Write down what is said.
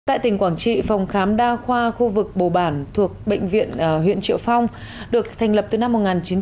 tại tỉnh quảng trị phòng khám đa khoa khu vực bồ bản thuộc bệnh viện huyện triệu phong được thành lập từ năm một nghìn chín trăm chín mươi